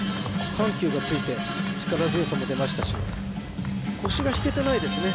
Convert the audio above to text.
緩急がついて力強さも出ましたし腰が引けてないですね